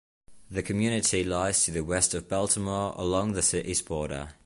The community lies to the west of Baltimore along the city's border.